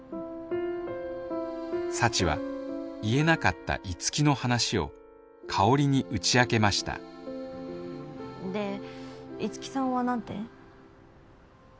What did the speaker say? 幸は言えなかった樹の話を香に打ち明けましたで樹さんはなんて？